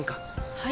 はい？